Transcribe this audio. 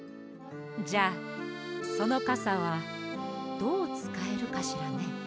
じゃあそのカサはどうつかえるかしらね。